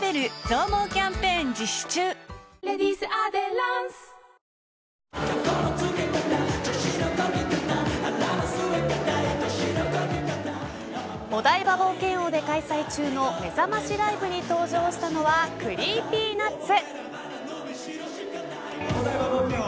ＬＩＺＺＯさんお台場冒険王で開催中のめざましライブに登場したのはＣｒｅｅｐｙＮｕｔｓ。